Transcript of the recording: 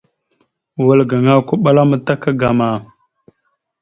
Wal gaŋa okombaláamətak ŋgam a.